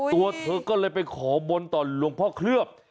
ตัวเธอก็เลยไปขอบนต่อหลวงพ่อเคลือบ